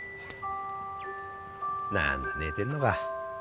何だ寝てんのか。